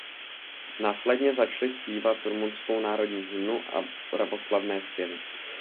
Následně začali zpívat rumunskou národní hymnu a pravoslavné zpěvy.